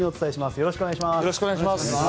よろしくお願いします。